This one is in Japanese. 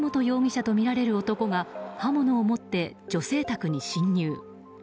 容疑者とみられる男が刃物を持って女性宅に侵入。